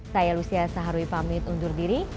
saya lucia saharwi pamit undur diri